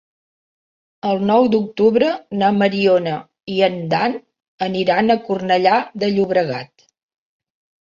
El nou d'octubre na Mariona i en Dan aniran a Cornellà de Llobregat.